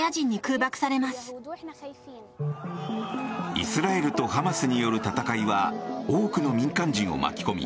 イスラエルとハマスによる戦いは多くの民間人を巻き込み